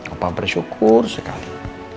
opah bersyukur sekali